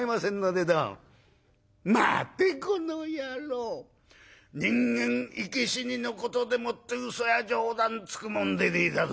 「待てコノヤロー人間生き死にのことでもって嘘や冗談つくもんでねえだぞ」。